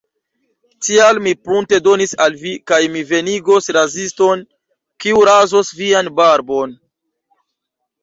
Tial, mi prunte donis al vi, kaj mi venigos raziston kiu razos vian barbon.